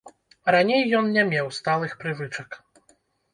Раней ён не меў сталых прывычак.